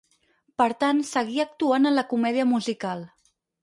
Per tant, seguí actuant en la comèdia musical.